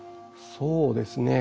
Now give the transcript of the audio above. そうですね。